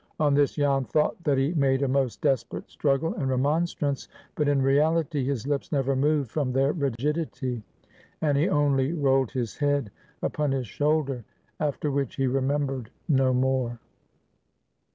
On this Jan thought that he made a most desperate struggle and remonstrance. But in reality his lips never moved from their rigidity, and he only rolled his head upon his shoulder. After which he remembered no more.